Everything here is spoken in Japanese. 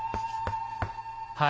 はい。